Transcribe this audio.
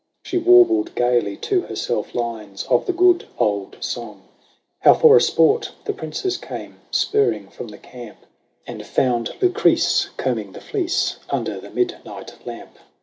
She warbled gaily to herself lines of the good old song, How for a sport the princes came spurring from the camp, And found Lucrece, combing the fleece, under the midnight lamp.